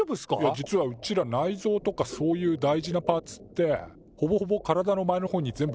実はうちら内臓とかそういう大事なパーツってほぼほぼ体の前のほうに全部寄せてあんのね。